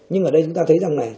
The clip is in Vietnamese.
nhưng ở đây chúng ta thấy rằng này